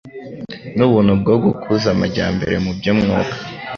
n'ubuntu bwo gukuza amajyambere mu by'umwuka.